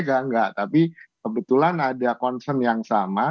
tidak tapi kebetulan ada concern yang sama